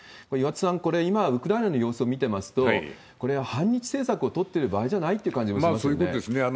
これ、岩田さん、これ、ウクライナの様子を見てますと、これ、反日政策を取ってる場合じゃないっそういうことですよね。